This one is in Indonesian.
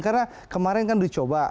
karena kemarin kan dicoba